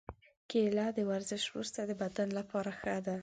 کېله د ورزش وروسته د بدن لپاره ښه ده.